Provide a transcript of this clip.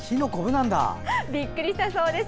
びっくりしたそうです。